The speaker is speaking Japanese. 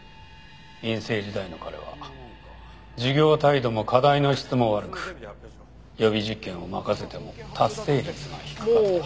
院生時代の彼は授業態度も課題の質も悪く予備実験を任せても達成率が低かった。